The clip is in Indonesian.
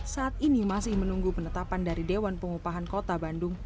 saat ini masih menunggu penetapan dari dewan pengupahan kota bandung